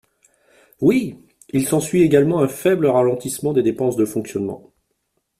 Oui ! Il s’ensuit également un faible ralentissement des dépenses de fonctionnement.